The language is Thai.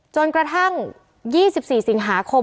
จนกระทั่ง๒๔สิงหาคม